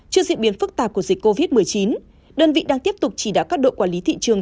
trước diễn biến phức tạp của dịch covid một mươi chín đơn vị đang tiếp tục chỉ đạo các đội quản lý thị trường